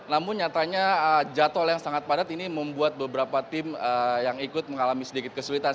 namun nyatanya jadwal yang sangat padat ini membuat beberapa tim yang ikut mengalami sedikit kesulitan